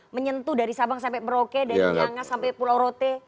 menyentuh dari sabang sampai merauke dari myangas sampai pulau rote